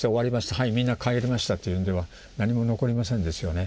はいみんな帰りましたというんでは何も残りませんですよね。